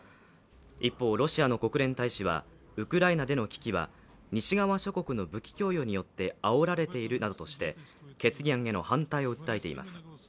一方、ロシアの国連大使はウクライナでの危機は西側諸国の武器供与によってあおられているなどとして決議案への反対を訴えています。